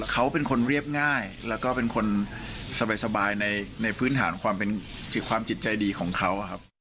เขาเป็นคนเรียบง่ายและก็เป็นคนสบายในพื้นฐานความจิตใจดีของเขาครับ